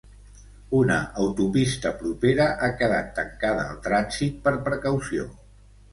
Una autopista propera ha quedat tancada al trànsit per precaució.